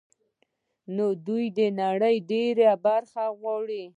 نو دوی د نړۍ ډېره برخه غواړي